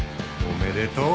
おめでとう！